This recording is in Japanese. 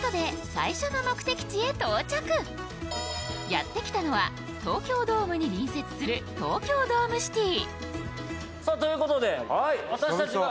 やってきたのは東京ドームに隣接する東京ドームシティ。